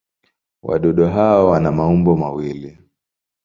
Wadudu hawa wana maumbo mawili.